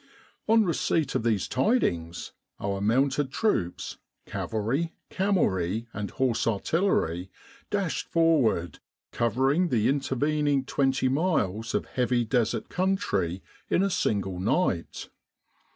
On receipt of these tidings, our mounted troops cavalry, camelry, and horse artillery dashed forward, covering the intervening twenty miles of heavy desert country in a single night.